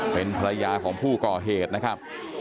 เป็นภรรยาของผู้ก่อเหตุนะครับ